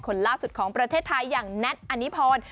คนล่าสุดของประเทศไทยอย่างแน็ตอนิพร